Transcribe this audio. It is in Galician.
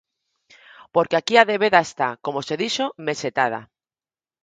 Porque aquí a débeda está, como se dixo, mesetada.